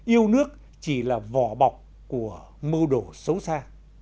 yêu nước chỉ là vỏ bọc của mưu đồ xấu xa